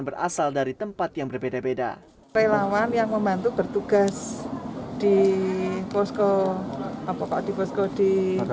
berasal dari tempat yang berbeda beda relawan yang membantu bertugas di posko apokotipos kodi